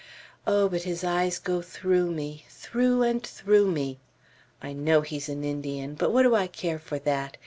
Oh, but his eyes go through me, through and through me! I know he's an Indian, but what do I care for that.